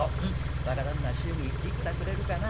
若旦那祝儀いくらくれるかな。